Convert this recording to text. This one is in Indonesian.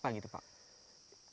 biasanya diinang seperti apa pak